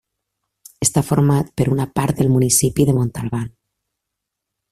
Està format per una part del municipi de Montalban.